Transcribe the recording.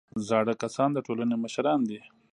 زاړه کسان د ټولنې مشران دي